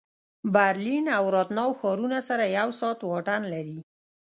برلین او راتناو ښارونه سره یو ساعت واټن لري